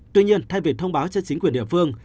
tuy nhiên thay vì thông báo cho chính quyền địa phương